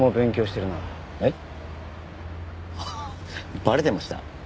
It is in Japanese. えっバレてました？